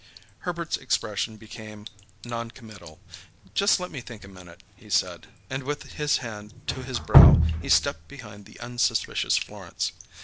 Herbert's expression became noncommittal. "Just let me think a minute," he said, and with his hand to his brow he stepped behind the unsuspicious Florence.